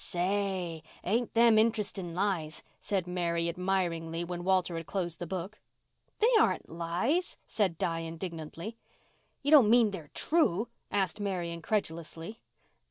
"Say, ain't them in'resting lies?" said Mary admiringly when Walter had closed the book. "They aren't lies," said Di indignantly. "You don't mean they're true?" asked Mary incredulously.